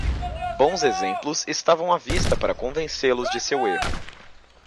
Bons exemplos estavam à vista para convencê-los de seu erro.